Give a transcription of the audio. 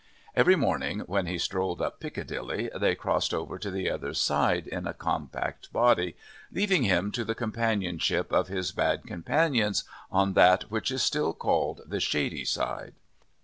Every morning, when he strolled up Piccadilly, they crossed over to the other side in a compact body, leaving him to the companionship of his bad companions on that which is still called the "shady" side.